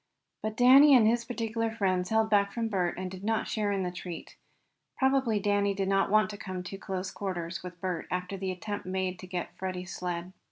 But Danny and his particular friends held back from Bert, and did not share in the treat. Probably Danny did not want to come to too close quarters with Bert after the attempt made to get Freddie's sled.